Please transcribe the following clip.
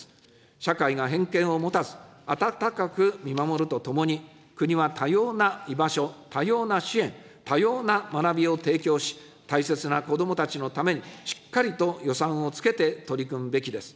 社会が偏見を持たず、温かく見守るとともに、国は多様な居場所、多様な支援、多様な学びを提供し、大切な子どもたちのために、しっかりと予算をつけて取り組むべきです。